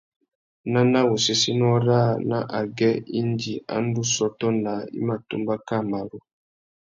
Nana wu séssénô râā nà agüê indi a ndú sôtô naā i mà tumba kā marru.